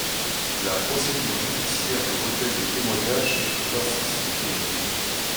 La procédure judiciaire de recueil des témoignages se trouve ainsi sécurisée.